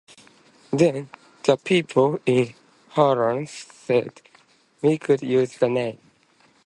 Then the people in Harlan said we could use the name.